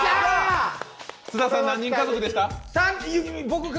津田さん、何人家族でしたか？